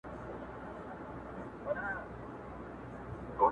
تر دې ټولو چارو وروسته نو